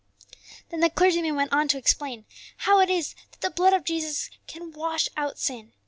'" Then the clergyman went on to explain how it is that the blood of Jesus can wash out sin.